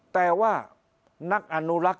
แต่ว่านักอนุลักษณ